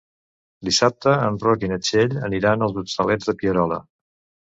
Dissabte en Roc i na Txell aniran als Hostalets de Pierola.